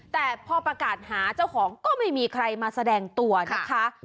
แต่พอประกาศหาเจ้าของก็ไม่มีใครมาแสดงตัวนะคะ